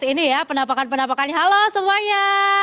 ini ya penampakan penampakan halo semuanya